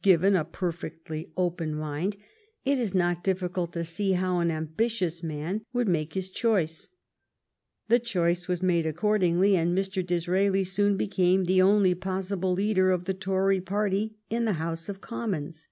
Given a perfectly open mind, it is not difficult to see how an ambitious man would make his choice. The choice was made accordingly, and Mr. Disraeli soon became the only possible leader of the Tory party in the House of Commons.